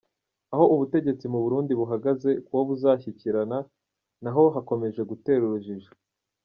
Aho ubutegetsi mu burundi buhagaze kuwo buzashyikirana nabo hakomeje gutera urujijo.